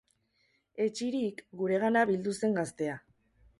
Etsirik, guregana bildu zen gaztea.